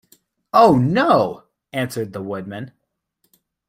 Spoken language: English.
"Oh, no;" answered the Woodman.